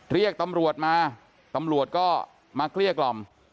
เรียกตำรวจมาตำรวจก็มาเกลี้ยกล่อม